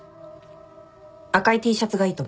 赤いＴシャツがいいと思います。